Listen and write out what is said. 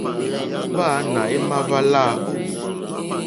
Hwáǎnà émá hwá láǃá.